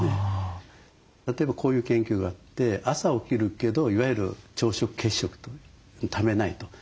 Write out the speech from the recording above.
例えばこういう研究があって朝起きるけどいわゆる朝食欠食と。食べないと。